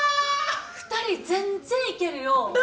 ２人全然いけるよ！